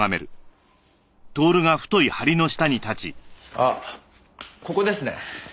あっここですね。